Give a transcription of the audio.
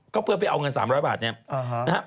ก็เพื่อไปเอาเงิน๓๐๐บาทเนี่ยนะฮะ